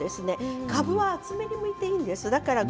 かぶは厚めにむいていいです。